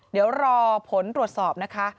เดี๋ยวรอผลตรวจสอบนะคะ